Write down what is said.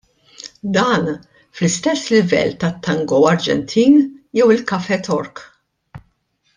Dan, fl-istess livell tat-tango Arġentin jew il-kafé Tork.